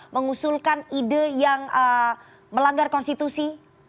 mengusulkan ide yang melanggar konstitusi